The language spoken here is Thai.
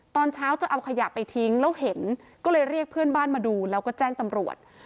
ตอนเช้าจะเอาขยะไปทิ้งแล้วเห็นก็เลยเรียกเพื่อนบ้านมาดูแล้วก็แจ้งตำรวจ